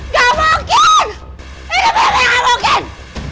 gak mungkin ini beneran mungkin